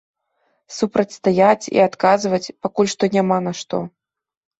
Супрацьстаяць і адказваць пакуль што няма на што.